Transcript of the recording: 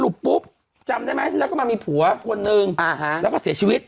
ปุ๊บจำได้ไหมแล้วก็มามีผัวคนนึงแล้วก็เสียชีวิต